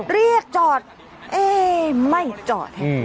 เรียกจอดไม่จอด